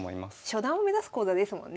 初段を目指す講座ですもんね。